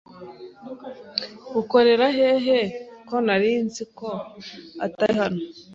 Ukorera hehe ko narinziko atari hano?